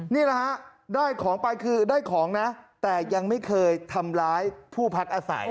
นี่แหละฮะได้ของไปคือได้ของนะแต่ยังไม่เคยทำร้ายผู้พักอาศัย